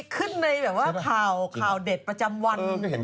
ขึ้นในข่าวเด็ดประจำวัน